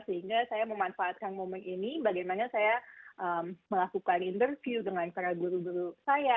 sehingga saya memanfaatkan momen ini bagaimana saya melakukan interview dengan para guru guru saya